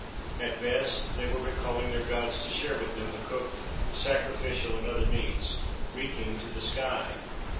At best, they were but calling their gods to share with them the cooked, sacrificial, and other meats, reeking to the sky.